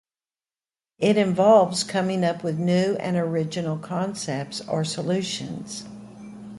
It involves coming up with new and original concepts or solutions.